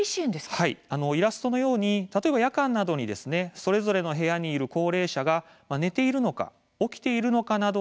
イラストのように例えば夜間などにそれぞれの部屋にいる高齢者が寝ているのか起きているのかなど